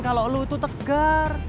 kalo lu itu tegar